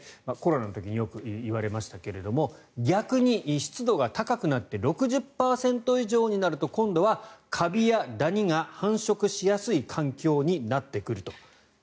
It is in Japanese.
コロナの時によく言われましたが逆に湿度が高くなって６０％以上になると今度はカビやダニが繁殖しやすい状況になってくると。